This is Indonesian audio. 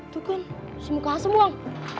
tuh kan si mukasem wang